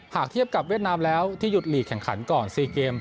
เทียบกับเวียดนามแล้วที่หยุดหลีกแข่งขันก่อน๔เกม